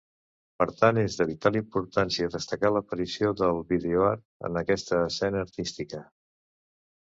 Per tant, és de vital importància destacar l'aparició del videoart en aquesta escena artística.